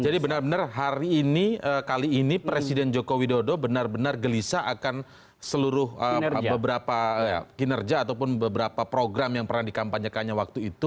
jadi benar benar hari ini kali ini presiden joko widodo benar benar gelisah akan seluruh beberapa kinerja ataupun beberapa program yang pernah dikampanyekannya waktu itu